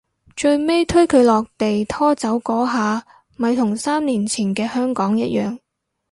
最尾推佢落地拖走嗰下咪同三年前嘅香港一樣